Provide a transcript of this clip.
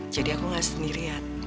jadi aku gak sendirian